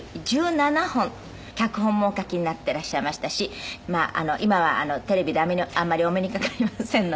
脚本もお書きになっていらっしゃいましたし今はテレビであんまりお目にかかりませんので。